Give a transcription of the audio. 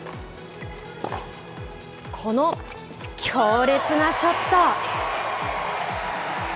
この強烈なショット。